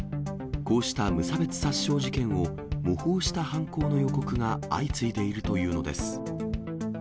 こうした無差別殺傷事件を模倣した犯行の予告が相次いでいるというのです。